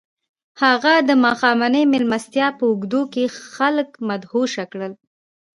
هغه د ماښامنۍ مېلمستیا په اوږدو کې خلک مدهوشه کړل